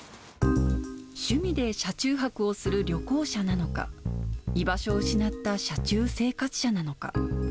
趣味で車中泊をする旅行者なのか、居場所を失った車中生活者なのか。